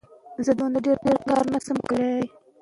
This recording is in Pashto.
په شماخي کې سفیر د پاچاهۍ دعوه وکړه.